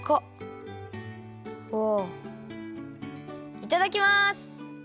いただきます！